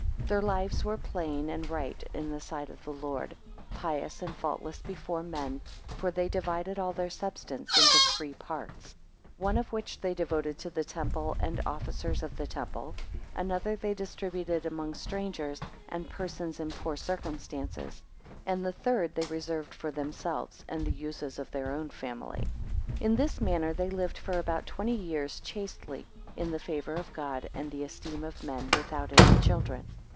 3 Their lives were plain and right in the sight of the Lord, pious and faultless before men; for they divided all their substance into three parts; 4 One of which they devoted to the temple and officers of the temple; another they distributed among strangers, and persons in poor circumstances; and the third they reserved for themselves and the uses of their own family. 5 In this manner they lived for about twenty years chastely, in the favour of God, and the esteem of men, without any children.